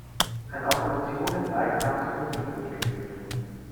Eine Obduktion des Leichnams wurde nicht durchgeführt.